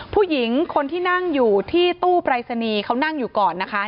ผู้หญิงคนที่นั่งอยู่ที่ตู้ปรายศนีย์เขานั่งอยู่ก่อนนะคะ